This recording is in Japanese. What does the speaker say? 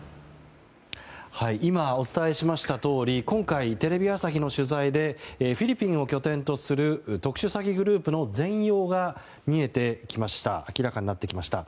今、お伝えしましたとおり今回、テレビ朝日の取材でフィリピンを拠点とする特殊詐欺グループの全容が明らかになってきました。